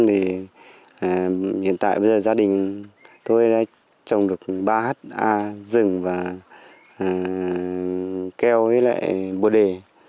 thì hiện tại bây giờ gia đình tôi đã trồng được ba ha rừng và keo với lại bộ đề